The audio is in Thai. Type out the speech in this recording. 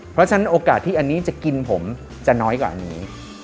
เพราะฉะนั้นโอกาสที่อันนี้จะกินผมจะน้อยกว่านี้